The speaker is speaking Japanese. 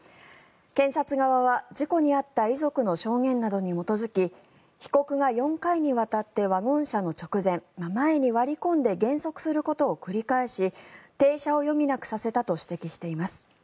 検察側は事故に遭った遺族の証言などに基づき被告が４回にわたってワゴン車の直前、前に割り込んで減速することを繰り返し停車を余儀なくさせたと指摘しています。